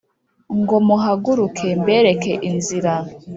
Ngo muhaguruke mbereke inzira